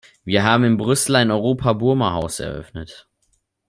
Wir haben in Brüssel ein Europa-Burma-Haus eröffnet.